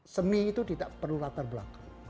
seni itu tidak perlu latar belakang